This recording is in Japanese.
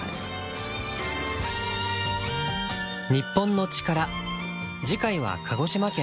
『日本のチカラ』次回は鹿児島県。